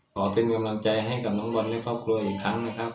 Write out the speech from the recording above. ขอเป็นกำลังใจให้กับน้องบอลและครอบครัวอีกครั้งนะครับ